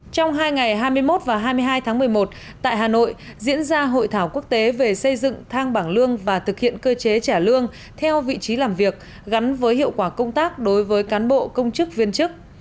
trong hai ngày hai mươi một và hai mươi hai tháng một mươi một tại hà nội diễn ra hội thảo quốc tế về xây dựng thang bảng lương và thực hiện cơ chế trả lương theo vị trí làm việc gắn với hiệu quả công tác đối với cán bộ công chức viên chức